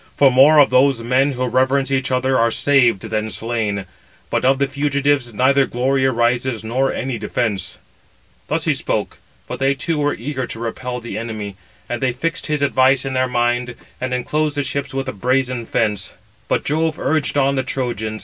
For more of those men who reverence [each other] are saved than slain; but of the fugitives, neither glory arises, nor any defence." Footnote 498: (return) Cf. v. 530, xiii. 121, with the notes. Thus he spoke, but they too were eager to repel [the enemy]. And they fixed his advice in their mind, and enclosed the ships with a brazen fence; but Jove urged on the Trojans.